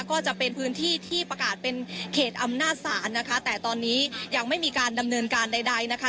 ก็จะเป็นพื้นที่ที่ประกาศเป็นเขตอำนาจศาลนะคะแต่ตอนนี้ยังไม่มีการดำเนินการใดนะคะ